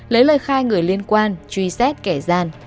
lấy lời khai người liên quan truy xét kẻ gian